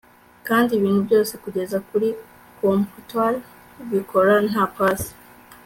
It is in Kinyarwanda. Kandi ibintu byose kugeza kuri comptoir bikora nka pase